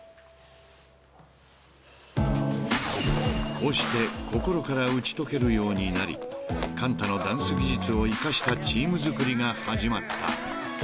［こうして心から打ち解けるようになり寛太のダンス技術を生かしたチーム作りが始まった］